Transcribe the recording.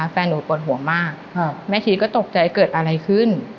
แฟนหนูปวดห่วงมากแม่ชีก็ตกใจเกิดอะไรขึ้น